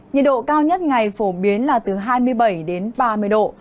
nhiệt độ cao nhất ngày phổ biến là từ hai mươi bảy đến ba mươi độ